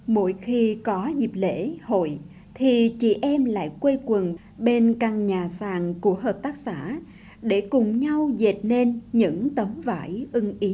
mỗi khi có dịp lễ hội thì chị em lại quê quần bên căn nhà sàn của hợp tác xã để cùng nhau dệt nên những tấm vải ưng ý